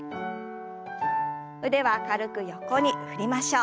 腕は軽く横に振りましょう。